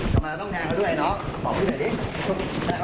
ทำไมต้องแทงเขาด้วยเนอะตอบพี่เถอะสิ